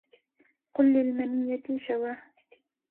قل للمنية شوى